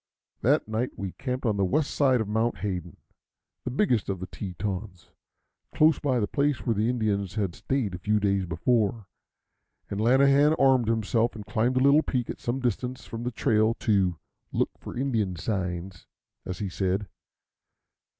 That night we camped on the west side of Mount Hayden, the biggest of the Tetons, close by the place where the Indians had stayed a few days before; and Lanahan armed himself and climbed a little peak at some distance from the trail to "look for Indian signs," as he said.